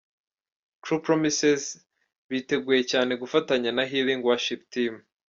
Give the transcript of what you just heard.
True Promises biteguye cyane gufatanya na Healing worship team.